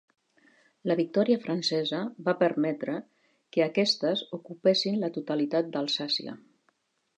La victòria francesa va permetre que aquestes ocupessin la totalitat d'Alsàcia.